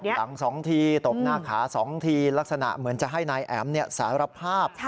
หลัง๒ทีตบหน้าขา๒ทีลักษณะเหมือนจะให้นายแอ๋มสารภาพ